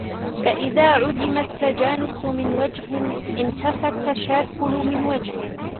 فَإِذَا عُدِمَ التَّجَانُسُ مِنْ وَجْهٍ انْتَفَى التَّشَاكُلُ مِنْ وَجْهٍ